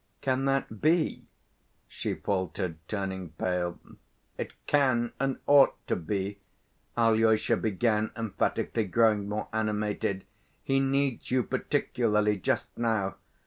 Can that be?" she faltered, turning pale. "It can and ought to be!" Alyosha began emphatically, growing more animated. "He needs you particularly just now.